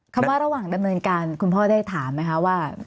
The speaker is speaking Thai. คำว่าระหว่างดำเนินการคุณพ่อได้ถามไหมคะว่า